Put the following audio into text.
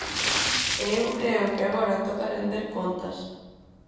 E eu creo que agora toca render contas.